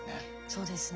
そうですね。